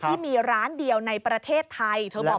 ที่มีร้านเดียวในประเทศไทยเธอบอก